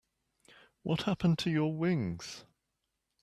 What happened to your wings?